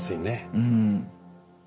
うん。